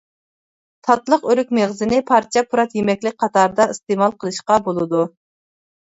تاتلىق ئۆرۈك مېغىزىنى پارچە-پۇرات يېمەكلىك قاتارىدا ئىستېمال قىلىشقا بولىدۇ.